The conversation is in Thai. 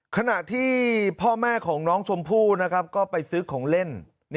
ขณะที่พ่อแม่ของน้องชมพู่ก็ไปซื้อของเล่น